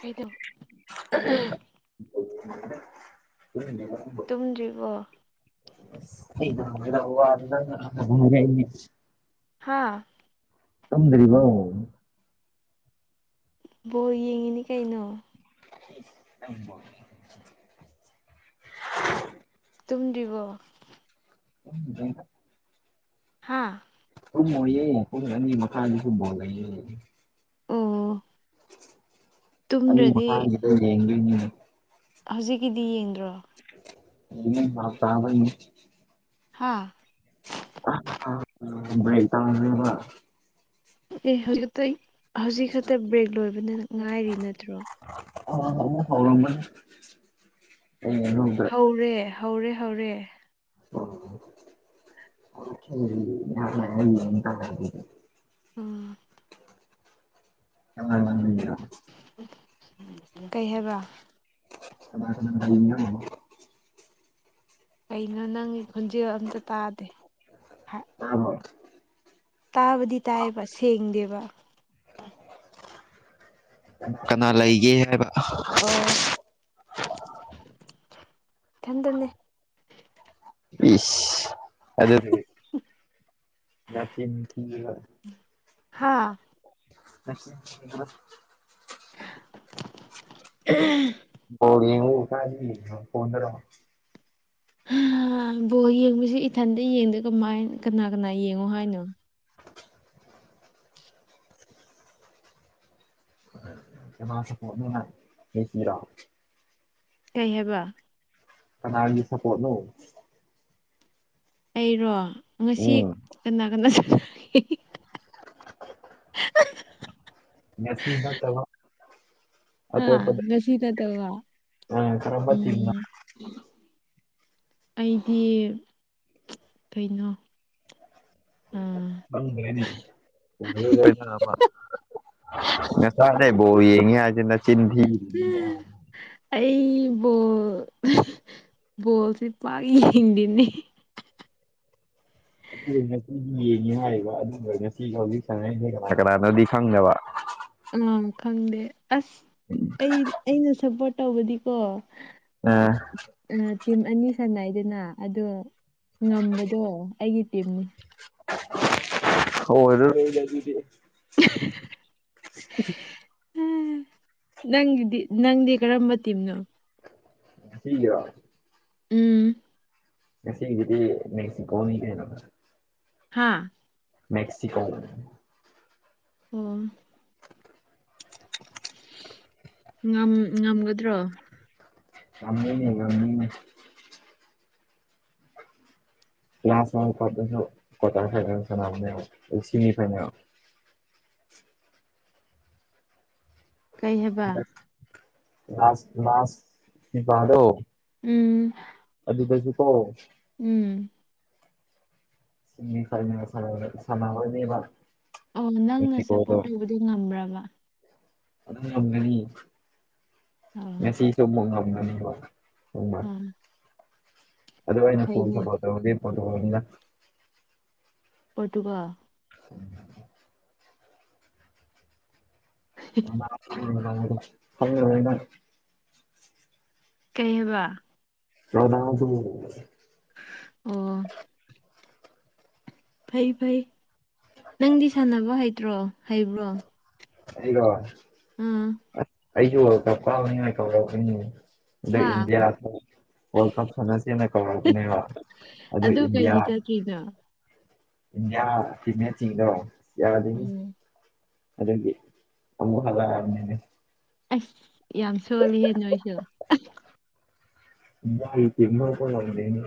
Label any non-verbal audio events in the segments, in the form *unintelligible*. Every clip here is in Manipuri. ꯀꯩꯗ ꯀ *unintelligible* ꯑꯥ ꯊꯗꯔꯤꯕꯥꯎ ꯕꯣ ꯌꯦꯡꯉꯤꯅꯦ ꯀꯩꯅꯣ ꯎꯃ *unintelligible* ꯇꯨꯝꯗꯤꯔꯤꯕꯣ ꯎ ꯍꯥꯥ ꯁꯨꯝ ꯑꯣꯏꯌꯦ ꯄ ꯑꯅꯤ ꯃꯈꯥꯗ ꯁꯨꯝꯕꯣꯜꯂꯌꯦ ꯑꯣ ꯑꯅꯤ ꯇꯨꯝꯗ꯭ꯔꯗꯤ ꯃꯈꯥꯏꯒꯤ ꯗꯣ ꯌꯦꯡꯗꯣꯏꯅꯦ ꯍꯧꯖꯤꯛꯀꯤꯗꯤ ꯌꯦꯡꯗ꯭ꯔꯣ ꯏ ꯍꯥ ꯇꯥꯕꯅꯤ ꯍꯥꯥ ꯩ ꯇ ꯑꯦ ꯍꯧꯖꯤꯛꯇ ꯍꯧꯖꯤꯛ ꯈꯛꯇ ꯕ꯭ꯔꯦꯛ ꯂꯣꯏꯕꯅ ꯉꯥꯏꯔꯤ ꯅꯠꯇ꯭ꯔꯣ ꯑ ꯍꯧꯥꯎꯔꯝꯕꯗ ꯍꯧꯔꯦ ꯍꯧꯔꯦ ꯍꯧꯔꯦ ꯑꯣ ꯌꯥ ꯀ ꯎꯝ ꯑ ꯂꯩ ꯀꯩ ꯍꯥꯏꯕ *unintelligible* ꯀꯩꯅꯣ ꯅꯪꯒꯤ ꯈꯣꯟꯖꯦꯜ ꯑꯝꯇ ꯇꯥꯗꯦ ꯑ ꯍꯥꯎ ꯇꯥꯕꯗꯤ ꯇꯥꯏꯌꯦꯕ ꯁꯦꯡꯗꯦꯕ ꯀꯅꯥ ꯂꯩꯒꯦ ꯍꯥꯏꯕ ꯑꯣ ꯀꯗꯅꯦ ꯍꯥꯥ ꯑ ꯎꯝ ꯍ ꯌꯦꯉ ꯀ ꯄꯨꯅꯔ ꯕꯣꯜ ꯌꯦꯡꯕꯕꯁꯤ ꯏꯊꯟꯇ ꯌꯦꯡꯗꯦ ꯀꯃꯥꯏ ꯀꯅꯥ ꯀꯅꯥ ꯌꯦꯡꯉꯣ ꯍꯥꯏꯅꯣ ꯃꯥꯁ ꯌꯦꯁꯤꯔ ꯀꯩ ꯍꯥꯏꯕ ꯀꯅꯥꯒꯤ ꯁꯄꯣꯠꯅ ꯑꯩꯔꯣ ꯉꯁꯤ ꯎꯝ ꯀꯅꯥ ꯀꯅꯥ ꯆꯠꯒꯦ ꯃꯁꯗ ꯆ ꯍꯥꯥ ꯉꯁꯤꯅꯠꯇ ꯋꯥ ꯑ ꯈꯔꯝꯕꯠꯇ ꯑꯩꯗꯤ ꯀꯩꯅꯣ ꯑꯥ ꯑꯅꯤ ꯃ ꯁꯔꯦ ꯣꯜꯂꯤꯅ ꯆꯤꯟꯊꯅꯦ ꯑꯩꯕꯨꯣ ꯣꯜꯁꯤ ꯄꯥꯒꯤ ꯍꯗꯅꯤ ꯉꯡ ꯍꯥꯏ ꯉꯁꯤ ꯍꯧꯖꯤꯛ ꯀꯅꯥꯅꯗꯤ ꯈꯪꯗꯕ ꯑꯥ ꯈꯪꯗꯦ ꯑꯁ ꯑꯩ ꯑꯩꯅ ꯁꯞꯄꯣꯔꯠ ꯇꯧꯕꯗꯤꯀꯣ ꯑ ꯑ ꯑꯅꯤ ꯁꯅꯏꯗꯅ ꯑꯗꯣ ꯉꯝꯕꯗꯣ ꯑꯩꯒꯤ ꯇꯤꯝꯅꯤ ꯍ *inaudible* ꯎ ꯅꯪꯗꯤ ꯅꯪꯗꯤ ꯀꯔꯝꯕ ꯇꯤꯝꯅꯣ ꯊꯌꯥ ꯎꯝ ꯉꯁꯤꯗꯤ ꯅꯁꯤꯀꯅꯤ ꯀꯅ ꯍꯥꯥ ꯃꯦꯛꯁꯤꯀꯣ ꯑꯣ ꯉ ꯉꯝꯒꯗ꯭ꯔꯣ ꯉꯃꯤꯅꯤ ꯉꯃꯤꯅꯤ ꯀ꯭ꯂꯥꯁ ꯂ ꯀꯇꯥ ꯈꯒ ꯁꯅꯃꯤ ꯐꯥꯏꯅꯦꯜ ꯀꯩ ꯍꯥꯏꯦꯕ ꯂꯥꯁ ꯂꯥꯁ ꯗꯣ ꯎꯝ ꯑꯗꯨ ꯀꯁꯨ ꯀꯣ ꯎꯝ ꯁꯤ ꯐ ꯁ ꯁꯕ ꯑꯣ ꯅꯪꯅ ꯁꯞꯄꯣꯔꯠ ꯇꯧꯕꯗꯤ ꯉꯝꯕ꯭ꯔꯕ ꯉꯝꯗꯅꯤ ꯑꯥ ꯁ ꯏꯁꯨ ꯉꯝꯗꯅꯤ ꯎꯃ ꯑꯥ ꯑꯗꯨꯩꯅ ꯐꯜ ꯐꯩꯅꯦ ꯁꯄꯠꯇ ꯎꯗꯦ ꯐꯠꯇꯗ ꯄꯗꯨꯒ ꯎꯝ *inaudible* ꯀꯩꯕ ꯌꯥꯗꯁꯨ ꯑꯣ ꯐꯩ ꯐꯩ ꯅꯪꯗꯤ ꯁꯥꯟꯅꯕ ꯍꯩꯇ꯭ꯔꯣ ꯍꯩꯕ꯭ꯔꯣ ꯑꯩꯔꯣ ꯑꯥ ꯑꯁ ꯑꯩꯁꯨ ꯀꯥꯎꯕꯅꯤꯉ ꯀꯥꯎꯔꯛꯅꯤ ꯑ ꯍꯥ ꯏꯟꯗꯤꯌꯥ ꯋꯥꯔꯜ ꯀꯞ ꯐꯅꯁꯦꯅ ꯀꯧꯔꯛꯅꯦꯕ ꯑꯗꯨ ꯏꯟꯗꯤꯌꯥ ꯌꯥ ꯏꯌꯥ ꯏꯌꯥ ꯆꯤꯡꯗ ꯌꯥꯗꯅꯤ ꯎꯝ ꯑꯗꯨꯗꯒꯤ ꯑ ꯌꯥꯝꯅꯦ ꯑꯁ ꯌꯥꯝ ꯁꯣꯜꯂꯤ ꯍꯦꯟꯅꯣꯏꯁ ꯏꯃ ꯀ ꯂꯧꯗꯅꯦ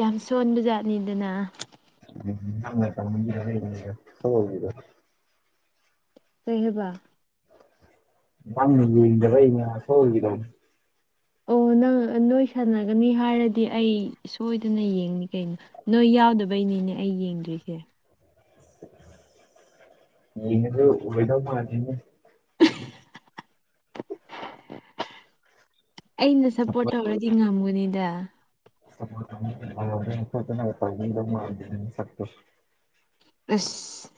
ꯌꯥꯝ ꯁꯣꯟꯕ ꯖꯥꯠꯅꯤꯗꯅ ꯎꯝꯥꯏ ꯀ ꯍ ꯍꯗ ꯀꯩꯍꯕ ꯋꯥꯝ ꯏ ꯁꯒꯗꯣ ꯑꯣ ꯅꯪ ꯅꯣꯏ ꯁꯥꯟꯅꯒꯅꯤ ꯍꯥꯏꯔꯗꯤ ꯑꯩ ꯁꯣꯏꯗꯅ ꯌꯦꯡꯅꯤ ꯀꯩꯅꯣ ꯅꯣꯏ ꯌꯥꯎꯗꯕꯩꯅꯤ ꯃꯤꯅꯦ ꯑꯩ ꯌꯦꯡꯗ꯭ꯣꯏꯁꯦ ꯏꯩꯅꯁꯨ ꯎꯕꯦꯗꯅꯦ ꯑꯩꯅ ꯁꯞꯄꯣꯔꯠ ꯇꯧꯔꯗꯤ ꯉꯝꯒꯨꯅꯤꯗ ꯇ ꯑꯁ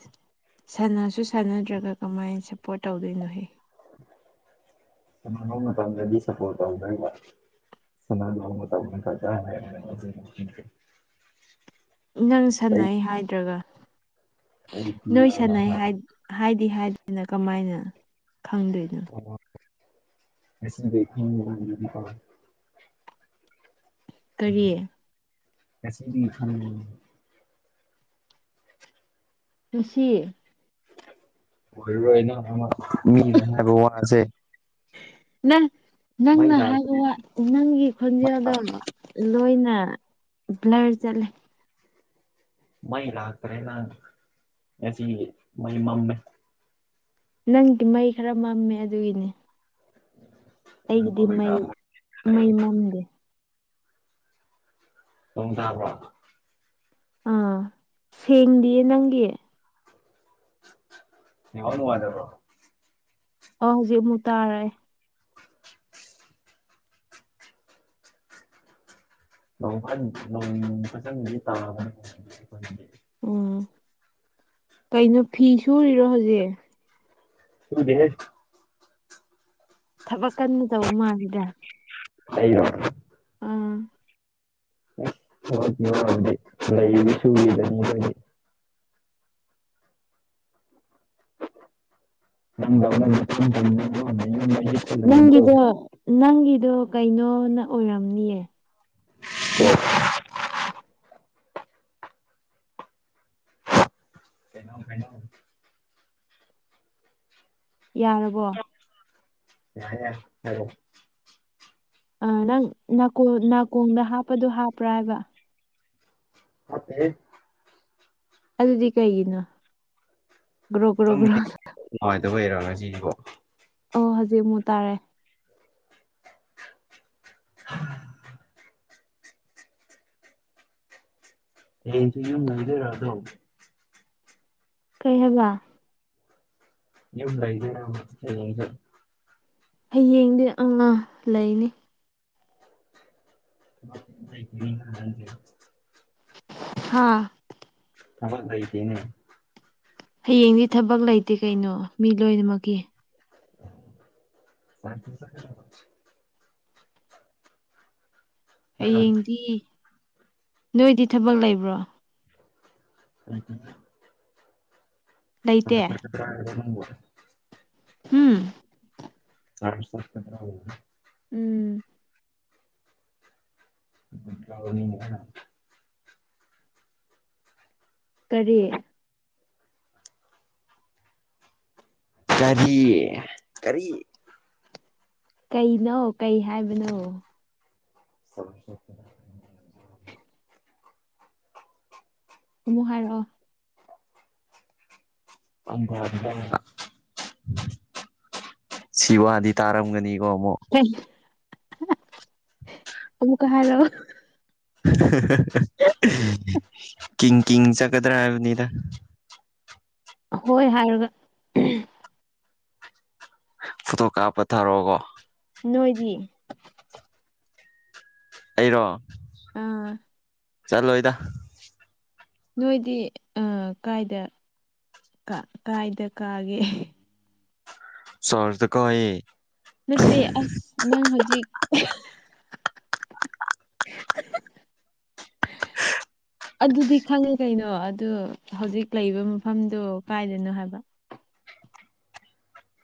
ꯁꯥꯟꯅꯁꯨ ꯁꯥꯟꯅꯗ꯭ꯔꯒ ꯀꯃꯥꯏꯅ ꯁꯞꯄꯣꯔꯠ ꯇꯧꯗꯣꯏꯅꯣꯍ ꯇꯗꯤ ꯁꯄꯣ ꯇ ꯀ ꯁꯅꯥ ꯂꯃ ꯀ ꯍꯥꯏ ꯅꯪ ꯁꯥꯟꯅꯩ ꯍꯥꯏꯗ꯭ꯔꯒ ꯅꯣꯏ ꯁꯥꯟꯅꯩ ꯍꯥꯏꯗꯤ ꯍꯥꯏꯗꯦꯅ ꯀꯃꯥꯏꯅ ꯈꯪꯗꯅ ꯉꯁꯅ ꯗꯦꯅ ꯃ ꯃꯕꯤ ꯀꯥ ꯀꯔꯤꯌꯦ ꯀꯁ ꯏ ꯉꯁꯤ ꯃꯤꯕ ꯋꯥꯁꯦ ꯅ ꯅꯪꯅ ꯍꯥꯏꯕ ꯅꯪꯒꯤ ꯈꯣꯟꯖꯦꯜꯗꯣ ꯂꯣꯏꯅ ꯑ ꯏꯂ ꯀ ꯆꯂꯦ ꯃꯩ ꯂꯥꯛꯈ꯭ꯔꯦ ꯅꯪ ꯉꯁꯤ ꯃꯩ ꯃꯝꯃꯦ ꯅꯪꯗꯤ ꯃꯩ ꯈꯔ ꯃꯝꯃꯦ ꯑꯗꯨꯒꯤꯅꯦ ꯑꯩꯒꯤꯗꯤ ꯃꯩ ꯃꯩ ꯃꯝꯗꯦ ꯇ ꯇꯥꯕꯣ ꯑꯥ ꯁꯦꯡꯗꯤꯌꯦ ꯅꯪꯒꯤ ꯏ ꯋꯥꯅ ꯋꯥꯗꯕꯣ ꯑ ꯍꯧꯖꯤꯛ ꯑꯃꯨꯛ ꯇꯥꯔꯦ ꯅ ꯐꯖꯪꯗꯤ ꯇꯥꯗꯅ ꯎꯝ ꯀꯩꯅꯣ ꯐꯤ ꯁꯨꯔꯤꯔꯣ ꯍꯧꯖꯤꯛ ꯍꯗꯦꯁ ꯊꯕꯛ ꯀꯟꯅ ꯇꯧ ꯃꯥꯜꯜꯂꯤꯗ ꯍꯔꯣ ꯍ ꯋꯥꯝꯗꯤ ꯂꯩꯗꯤ ꯁꯨꯕꯤꯗꯅꯤꯅꯤ *unintelligible* ꯅꯪꯒꯤꯗꯣ ꯅꯪꯒꯤꯗꯣ ꯀꯩꯅꯣꯅ ꯑꯣꯏꯔꯝꯅꯤꯌꯦ ꯅ *unintelligible* ꯀꯩꯅꯣꯝ ꯀꯩꯅ ꯌꯥꯔꯕꯣ ꯌꯥ ꯍꯗꯣ ꯑ ꯅꯪꯀꯣꯡ ꯅꯥꯀꯣꯡꯗ ꯍꯥꯞꯄꯗꯣ ꯍꯥꯞꯄ꯭ꯔꯥ ꯍꯥꯏꯕ ꯃꯥꯠꯇꯦ ꯑꯗꯨꯗꯤ ꯀꯩꯒꯤꯅꯣ ꯒ꯭ꯔꯣ ꯒ꯭ꯔꯣ ꯒ꯭ꯔꯣ ꯑꯗꯨꯕꯨꯩꯔꯣ ꯉꯁꯤꯗꯤꯀꯣ ꯑꯣ ꯍꯧꯖꯤꯛ ꯑꯃꯨꯛ ꯇꯥꯔꯦ *unintelligible* ꯍꯁꯤ ꯌꯨꯝ ꯅꯗ ꯔꯗꯣ ꯀꯩꯍꯕ ꯌ ꯂꯗꯦꯔ ꯍꯌꯦꯡꯗꯤ ꯑꯉꯥꯡ ꯂꯩꯅꯤ *unintelligible* ꯍꯥꯥ ꯊꯕ ꯀꯥꯏꯗꯦꯅꯦ ꯍꯌꯦꯡꯗꯤ ꯊꯕꯛ ꯂꯩꯇꯦ ꯀꯩꯅꯣ ꯃꯤ ꯂꯣꯏꯅꯃꯛꯀꯤ ꯔ ꯍꯌꯦꯡꯗꯤ ꯅꯣꯏꯗꯤ ꯊꯕꯛ ꯂꯩꯕ꯭ꯔꯣ ꯎꯝ ꯄ ꯂꯩꯇꯦ ꯇꯥꯕ ꯎꯝ ꯆꯔ ꯎꯝ ꯅꯤ ꯀꯔꯤ ꯀꯔꯤ ꯀꯔꯤ ꯀꯩꯅꯣ ꯀꯩ ꯍꯥꯏꯕꯅꯣ ꯁ ꯑꯃꯨꯛ ꯍꯥꯏꯔꯛꯑꯣ ꯁꯤ ꯋꯥꯗꯤ ꯇꯥꯔꯝꯒꯅꯤ ꯔꯣꯃꯣ ꯕꯨ ꯀꯥꯔ ꯀꯤꯡꯗꯝ ꯀꯤꯡꯗꯝ ꯆꯠꯀꯗ꯭ꯔꯥ ꯍꯥꯏꯕꯅꯤꯗ ꯍꯣꯏ ꯍꯥꯏꯔꯒ ꯐꯣꯇꯣ ꯀꯥꯞꯄ ꯊꯥꯔꯛꯑꯣꯒꯣ ꯅꯣꯏꯗꯤ ꯑꯩꯔꯣ ꯑꯥ ꯆꯠꯂꯣ ꯏꯗ ꯅꯣꯏꯗꯤ ꯀꯥꯏꯗ ꯀꯥꯏꯗ ꯀꯥꯒꯦ ꯁꯔꯗ ꯀꯑꯦ ꯅꯠꯇꯦ ꯑꯁ ꯅꯪ ꯍꯧꯖꯤꯛ *unintelligible* ꯑꯗꯨꯗꯤ ꯈꯪꯉꯦ ꯀꯩꯅꯣ ꯑꯗꯨ ꯍꯧꯖꯤꯛ ꯂꯩꯕ ꯃꯐꯝꯗꯨꯣ ꯀꯥꯏꯗꯅꯣ ꯍꯥꯏꯕ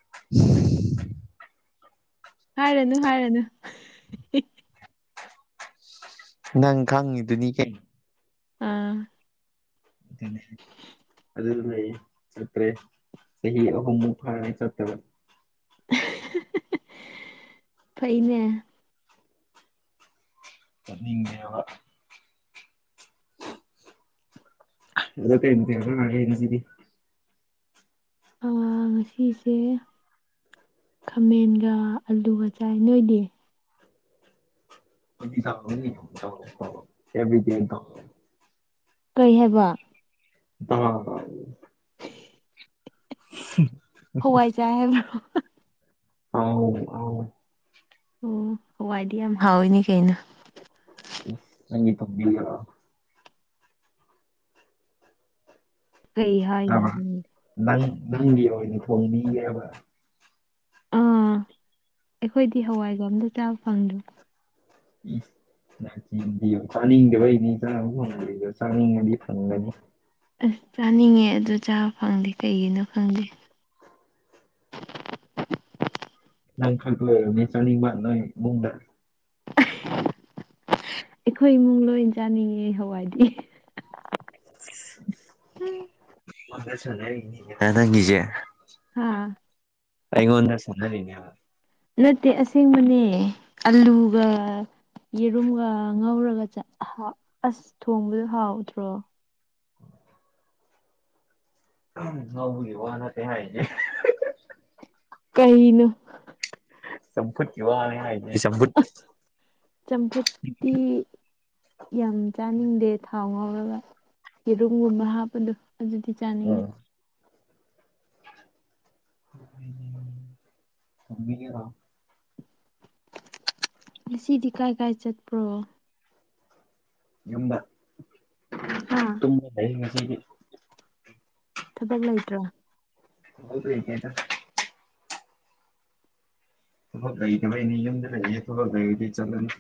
*unintelligible* ꯍꯥꯏꯔꯅꯨ ꯍꯥꯏꯔꯅꯨ ꯅꯪ ꯈꯪꯉꯤꯗꯨꯅꯤ ꯀꯦ ꯎꯝ *unintelligible* ꯑꯗꯨ ꯂꯩꯌꯦ ꯆꯠꯇ꯭ꯔꯦ ꯆꯍꯤ ꯑꯍꯨꯝꯃꯨꯛ ꯐꯔꯥꯏ ꯆꯠꯇꯕ ꯐꯩꯅꯅꯦ *unintelligible* ꯑꯗꯨ ꯃꯥ ꯌꯦꯟꯁꯤꯗꯤ ꯑ ꯉꯁꯤꯁꯦ ꯈꯥꯃꯦꯟꯒ ꯑꯂꯨꯒ ꯆꯥꯏ ꯅꯣꯏꯗꯤ ꯆ ꯆꯕꯗꯤ ꯀ ꯀꯔꯤ ꯍꯥꯏꯕ ꯑ ꯎꯝ ꯍꯋꯥꯏꯖꯥꯏ ꯍꯥꯏꯕ꯭ꯔꯣ ꯍ ꯑꯣ ꯍꯋꯥꯏꯗꯤ ꯌꯥꯝ ꯍꯥꯎꯋꯤꯅꯤ ꯀꯩꯅ ꯀꯪꯤ ꯄ ꯀꯩ ꯍꯥꯏꯅꯣꯪ ꯅꯪ ꯑꯣꯏꯅꯦ ꯐꯣꯣꯟ ꯃꯤꯦꯕ ꯑꯥ ꯑꯩꯈꯣꯏꯗꯤ ꯍꯋꯥꯏꯒꯣ ꯑꯝꯇ ꯆꯥꯕ ꯐꯪꯗ꯭ꯔꯣ ꯎꯝ ꯗꯤ ꯆꯥꯅꯤꯡꯗꯕꯩꯅꯤ ꯆꯥꯕ ꯐꯪꯗ꯭ꯔꯤꯗ ꯆꯥꯅꯤꯡꯉꯗꯤ ꯐꯪꯒꯅꯤ ꯑꯁ ꯆꯥꯅꯤꯡꯉꯦ ꯑꯗꯨ ꯆꯥꯕ ꯐꯪꯗꯦ ꯀꯩꯒꯤꯅꯣ ꯈꯪꯗꯦ *unintelligible* ꯂꯪ ꯈ ꯅꯦꯁꯅꯤ ꯃꯥ ꯅꯣꯏ ꯃꯗꯔ ꯑꯩꯈꯣꯏ ꯏꯃꯨꯡ ꯂꯣꯏ ꯆꯥꯅꯤꯡꯉꯦ ꯍꯋꯥꯏꯗꯤ ꯍ ꯅ ꯉꯖꯦ ꯍꯥ ꯑꯩꯉꯣꯟꯗ ꯁꯅꯔꯤꯅꯦ ꯅꯠꯇꯦ ꯑꯁꯦꯡꯕꯅꯦ ꯑꯂꯨꯒ ꯌꯦꯔꯨꯝꯒ ꯉꯧꯔꯒ ꯑꯁ ꯊꯣꯡꯕꯗ ꯍꯥꯎꯗ꯭ꯔꯣ ꯍ ꯏ ꯋꯥꯅ ꯇ ꯀꯩꯅ ꯁꯄꯨ ꯋꯥ ꯍꯥꯏ ꯁꯄꯨ ꯆꯝꯐꯨꯠꯇꯤ ꯌꯥꯝ ꯆꯥꯅꯤꯡꯗꯦ ꯊꯥꯎ ꯉ ꯒ ꯌꯦꯦꯔꯨꯝꯒꯨꯝꯕ ꯍꯥꯞꯄꯗꯣ ꯑꯗꯨꯗꯤ ꯆꯥꯅꯤꯡꯉꯦ ꯊꯃꯤꯒ ꯊꯥꯎ ꯂꯤꯁꯤꯤꯗꯤꯀꯥꯏ ꯀꯥꯏꯥꯏꯆꯦꯠꯄ꯭ꯔꯣ ꯌꯝꯕ ꯍꯥ ꯇ ꯂꯩ ꯃꯁꯤꯒꯤ ꯊꯕꯛ ꯂꯩꯇ꯭ꯔꯣ ꯍ ꯀꯦꯗ ꯊ ꯐꯛ ꯀꯩ ꯀꯥꯏ ꯌꯨꯝꯗ ꯂꯩꯌꯦ ꯊꯗꯤ ꯆꯂꯅꯤ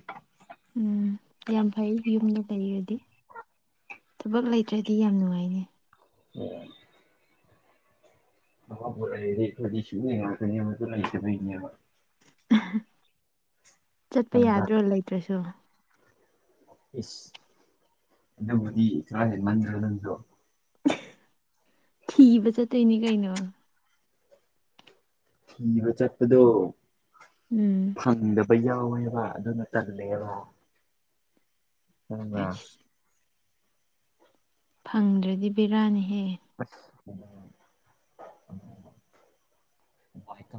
ꯎꯝ ꯌꯥꯝ ꯐꯩ ꯌꯨꯝꯗꯣ ꯀꯔꯤꯔꯗꯤ ꯊꯕꯛ ꯂꯩꯇ꯭ꯔꯗꯤ ꯌꯥꯝ ꯅꯨꯡꯉꯥꯏꯅꯦ ꯎ ꯑ ꯄꯨꯦꯁꯨꯛꯇ ꯂꯩꯁ ꯆꯠꯄ ꯌꯥꯗ꯭ꯔꯣ ꯂꯩꯇ꯭ꯔꯁꯨ ꯗꯤ ꯀ ꯃꯔꯗꯣ ꯊꯤꯕ ꯆꯠꯇꯣꯏꯅꯤ ꯀꯩꯅꯩꯅꯣ ꯆꯠꯄꯗꯣ ꯎꯝ ꯕꯩꯌꯥꯎꯕ ꯑꯗꯨꯅ ꯇꯂꯦꯕ ꯑꯗ ꯑꯁ ꯐꯪꯗ꯭ꯔꯗꯤ ꯕꯕꯤꯔꯥꯅꯤ ꯑ ꯋꯥꯀ